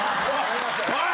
おい！